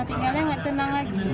tinggalnya gak tenang lagi